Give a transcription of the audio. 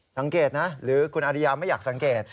สังเกตนะหรือคุณอาริยาไม่อยากสังเกต